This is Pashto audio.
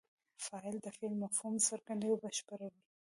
فاعل د فعل مفهوم څرګندوي او بشپړوي.